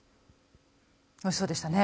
おいしそうでしたね。